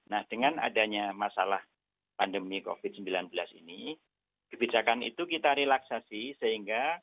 nah dengan adanya masalah pandemi covid sembilan belas ini kebijakan itu kita relaksasi sehingga